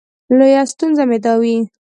لویه ستونزه مې دا وي.